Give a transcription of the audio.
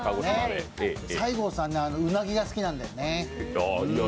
西郷さん、うなぎが好きなんだよね。